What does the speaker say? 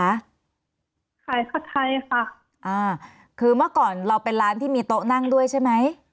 ขายผัดไทยค่ะอ่าคือเมื่อก่อนเราเป็นร้านที่มีโต๊ะนั่งด้วยใช่ไหม